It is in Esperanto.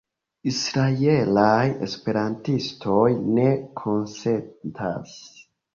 Israelaj esperantistoj ne konsentas.